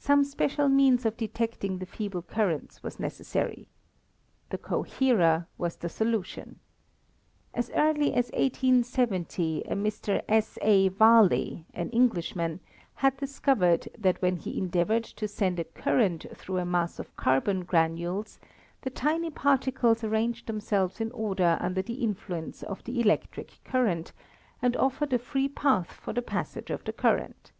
Some special means of detecting the feeble currents was necessary. The coherer was the solution. As early as 1870 a Mr. S.A. Varley, an Englishman, had discovered that when he endeavored to send a current through a mass of carbon granules the tiny particles arranged themselves in order under the influence of the electric current, and offered a free path for the passage of the current.